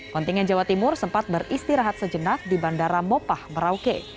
kontingen jawa timur sempat beristirahat sejenak di bandara mopah merauke